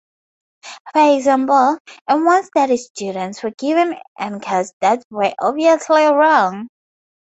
For example, in one study students were given anchors that were obviously wrong.